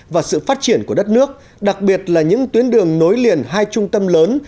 và sự phát triển của đất nước đặc biệt là những tuyến đường nối liền hai trung tâm lớn